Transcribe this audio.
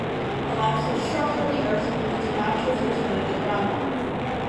The limestone structure of the earth permits a natural filtering of the groundwater.